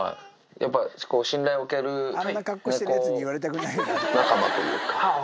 やっぱり信頼おける猫仲間というか。